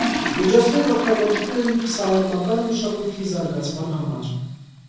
Միջոցներն օգտագործվում են սաամական մշակույթի զարգացման համար։